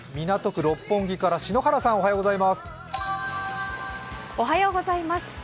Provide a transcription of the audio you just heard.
港区六本木から篠原さんおはようございます。